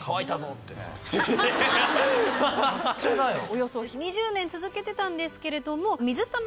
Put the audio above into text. およそ２０年続けてたんですけれども。